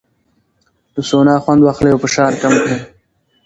له سونا خوند واخلئ او فشار کم کړئ.